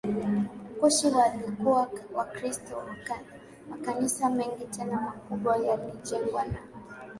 Kushi walikuwa Wakristo Makanisa mengi tena makubwa yalijengwa na